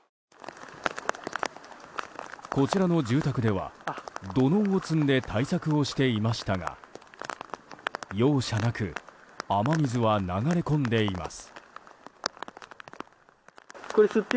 こちらの住宅では土のうを積んで対策をしていましたが容赦なく雨水は流れ込んでいます。